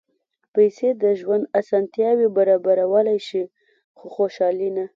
پېسې د ژوند اسانتیاوې برابرولی شي، خو خوشالي نه.